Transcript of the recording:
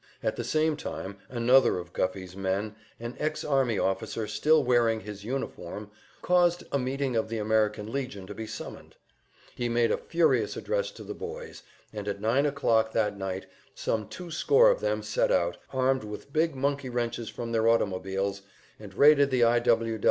At the same time another of Guffey's men, an ex army officer still wearing his, uniform, caused a meeting of the American Legion to be summoned; he made a furious address to the boys, and at nine o'clock that night some two score of them set out, armed with big monkey wrenches from their automobiles, and raided the I. W.